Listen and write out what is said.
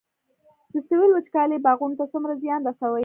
د سویل وچکالي باغونو ته څومره زیان رسوي؟